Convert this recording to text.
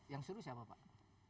yang suruh siapa pak